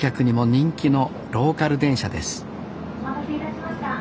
「お待たせいたしました。